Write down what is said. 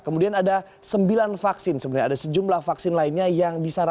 kemudian ada sembilan vaksin sebenarnya ada sejumlah vaksin lainnya yang disarankan